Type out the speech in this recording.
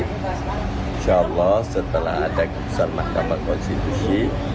insya allah setelah ada keputusan mahkamah konstitusi